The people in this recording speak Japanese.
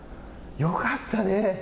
よかったね。